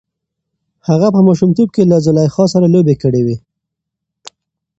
هغه په ماشومتوب کې له زلیخا سره لوبې کړې وې.